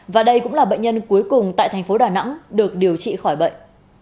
và đây cũng là bệnh nhân cuối cùng tại thành phố đà nẵng được điều trị khỏi bệnh